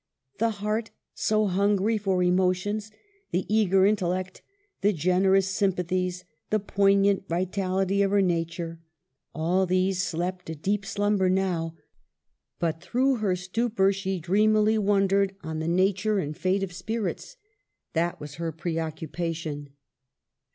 The heart, so hungry for emotions, the eager intel lect, the generous sympathies, the poignant vitality of her nature, — all these slept a deep slumber now; but through her stupor she dreamily wondered on the nature and fate of spirits. That was her preoccupation.